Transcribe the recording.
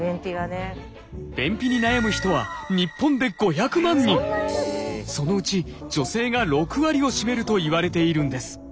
便秘に悩む人は日本でそのうち女性が６割を占めるといわれているんです。